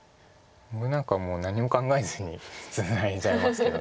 僕なんかもう何も考えずにツナいじゃいますけど。